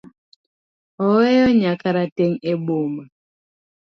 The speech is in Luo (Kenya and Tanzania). Oweyo nya karateng' e boma.